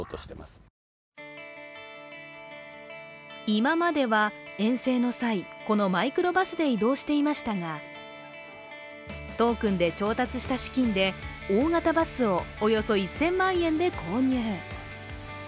今までは遠征の際このマイクロバスで移動していましたがトークンで調達した資金で大型バスをおよそ１０００万円で購入。